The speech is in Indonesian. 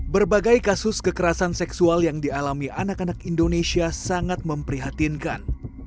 berbagai kasus kekerasan seksual yang dialami anak anak indonesia sangat memprihatinkan